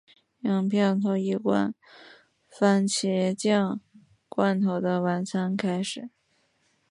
影片从一罐蕃茄酱罐头的晚餐开始。